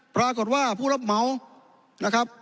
ปรากฏว่าผู้รับเหมานะครับ